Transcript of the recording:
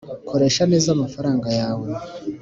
koresha neza amafaranga yawe